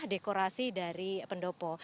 dekorasi dari pendopo